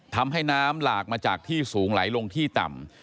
ทำให้น้ำหลากมาจากที่สูงไหลลงที่ต่ำ